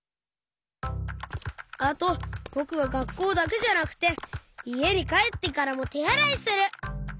あとぼくはがっこうだけじゃなくていえにかえってからもてあらいする！